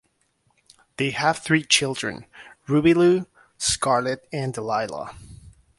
They have three children, Ruby Lou, Scarlett and Delilah.